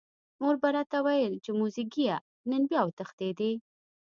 مور به راته ویل چې موزیګیه نن بیا وتښتېدې.